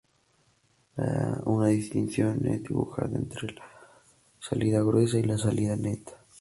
Una distinción es dibujada entre la salida gruesa y la salida neta.